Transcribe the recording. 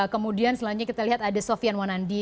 kemudian selanjutnya kita lihat ada sofian wanandi